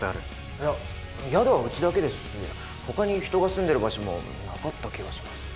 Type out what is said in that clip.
いや宿はうちだけですしほかに人が住んでる場所もなかった気がします。